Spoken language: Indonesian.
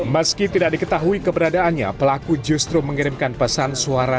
meski tidak diketahui keberadaannya pelaku justru mengirimkan pesan suara